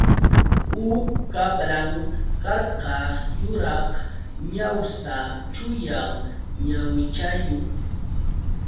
Huk kabran karqa yuraq ñawsa chullan ñawichayuq.